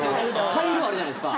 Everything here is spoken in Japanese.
回廊あるじゃないですか。